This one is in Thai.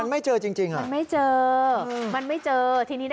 เยอะจริงอ่ะค่ะ